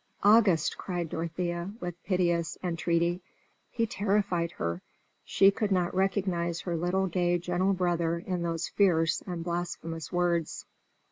"August!" cried Dorothea, with piteous entreaty. He terrified her, she could not recognise her little, gay, gentle brother in those fierce and blasphemous words.